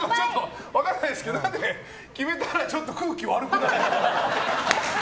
分かんないですけど何で、決めたらちょっと空気悪くなるんですか。